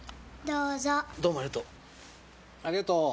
どうもありがとう。